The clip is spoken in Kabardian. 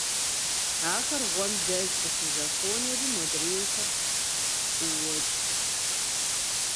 Ахэр гъуэм деж къыщызэхонэри модрейхэр ӀуокӀ.